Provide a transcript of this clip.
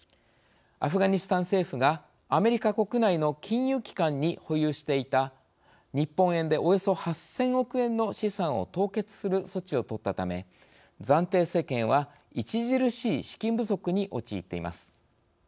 アフガニスタン政府がアメリカ国内の金融機関に保有していた日本円で、およそ８０００億円の資産を凍結する措置を取ったため暫定政権は著しい資金不足に陥っています。